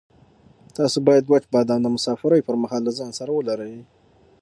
تاسو باید وچ بادام د مسافرۍ پر مهال له ځان سره ولرئ.